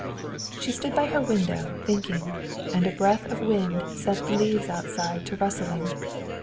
She stood by her window, thinking. And a breath of wind set the leaves outside to rustling.